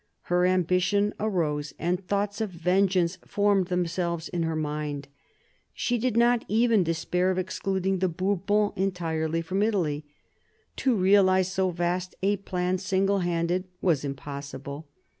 Her ambition arose, and thoughts of vengeance formed themselves in her mind. She did not even despair of excluding the Bourbons entirely from Italy. To realise so vast a plan single handed was impossible.